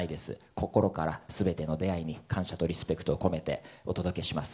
心からすべての出会いに感謝とリスペクトを込めて歌います。